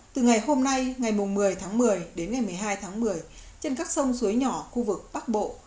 từ ngày hôm nay ngày một mươi tháng một mươi đến ngày một mươi hai tháng một mươi trên các sông suối nhỏ khu vực bắc bộ